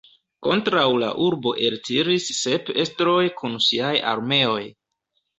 Kontraŭ la urbo eltiris sep estroj kun siaj armeoj.